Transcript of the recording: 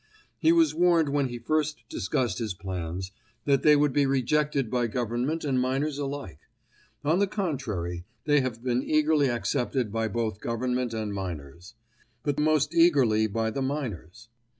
He was warned when he first discussed his plans, that they would be rejected by Government and miners alike. On the contrary they have been eagerly accepted by both Government and miners; but most eagerly by the miners.